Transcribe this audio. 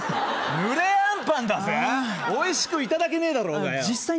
ぬれアンパンだぜおいしくいただけねえだろうがよ